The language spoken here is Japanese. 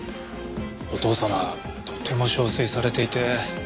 お父様とても憔悴されていて。